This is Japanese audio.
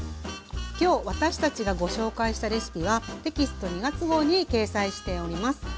今日私たちがご紹介したレシピはテキスト２月号に掲載しております。